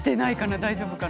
大丈夫かな？